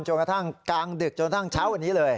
กระทั่งกลางดึกจนทั้งเช้าวันนี้เลย